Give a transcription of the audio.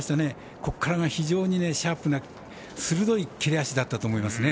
ここからが非常にシャープな鋭い切れ味だったと思いますね。